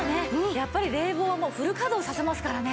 やっぱり冷房はフル稼働させますからね。